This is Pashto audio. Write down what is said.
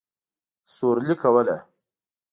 سورلي کوله.